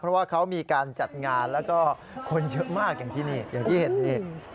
เพราะว่าเขามีการจัดงานแล้วก็คนเยอะมากอย่างที่นี่อย่างที่เห็นนี่